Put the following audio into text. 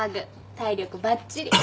体力ばっちり。